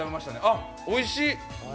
あっ、おいしい。